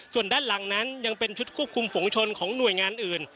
ส่วนด้านหลังนั้นยังเป็นชุดควบคุมฝุงชนของหน่วยงานอื่น